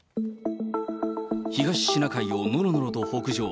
東シナ海をのろのろと北上。